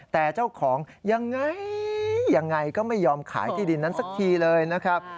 แต่เจ้าของยังไงยังไงก็ไม่ยอมขายที่ดินนั้นสักทีเลยนะครับ